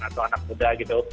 atau anak muda gitu